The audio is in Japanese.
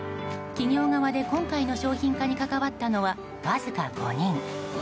企業側で今回の商品化に関わったのはわずか５人。